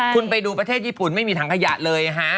คุณไปดูประเทศญี่ปุ่นไม่มีถังขยะเลยฮะ